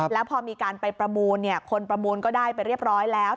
แล้วพอมีการไปประมูลคนประมูลก็ได้ไปเรียบร้อยแล้ว